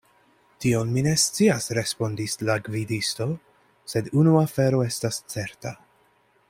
Tion mi ne scias, respondis la gvidisto; sed unu afero estas certa.